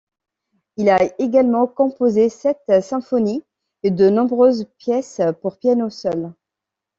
Il a également composé sept symphonies et de nombreuses pièces pour piano seul.